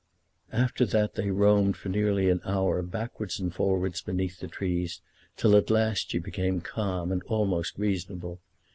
] After that they roamed for nearly an hour backwards and forwards beneath the trees, till at last she became calm and almost reasonable.